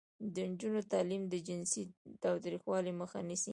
د نجونو تعلیم د جنسي تاوتریخوالي مخه نیسي.